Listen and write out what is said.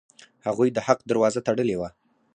هغوی د حق دروازه تړلې وه.